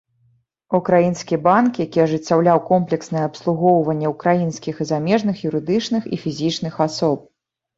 Украінскі банк, які ажыццяўляў комплекснае абслугоўванне украінскіх і замежных юрыдычных і фізічных асоб.